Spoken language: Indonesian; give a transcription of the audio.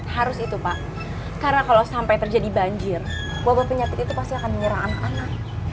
harus itu pak karena kalau sampai terjadi banjir wabah penyakit itu pasti akan menyerang anak anak